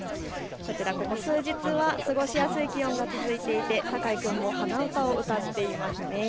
ここ数日は過ごしやすい気温が続いていて高井君も鼻歌を歌っていますね。